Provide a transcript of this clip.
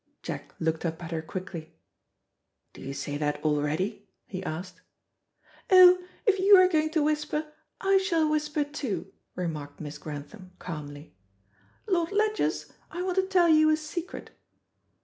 Jack looked up at her quickly. "Do you say that already?" he asked. "Oh, if you are going to whisper, I shall whisper too," remarked Miss Grantham calmly. "Lord Ledgers, I want to tell you a secret."